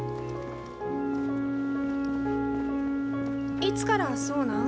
いつからそうなん？